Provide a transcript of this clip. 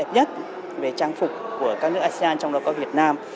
nhất về trang phục của các nước asean trong đời quốc việt nam